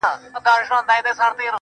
دوى ما اوتا نه غواړي.